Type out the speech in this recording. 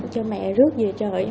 cho mẹ rước về trời